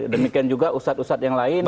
demikian juga ustadz ustadz yang lain